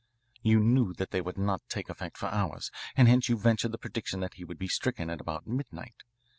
"You knew that they would not take effect for hours, and hence you ventured the prediction that he would be stricken at about midnight.